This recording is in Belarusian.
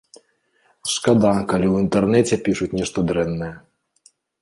Шкада, калі ў інтэрнэце пішуць нешта дрэннае.